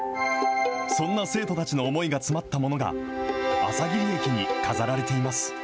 そんな生徒たちの思いが詰まったものが、あさぎり駅に飾られています。